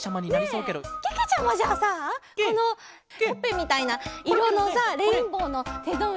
けけちゃまじゃあさこのほっぺみたいないろのさレインボーのてんとう